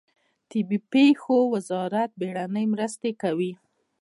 د طبیعي پیښو وزارت بیړنۍ مرستې کوي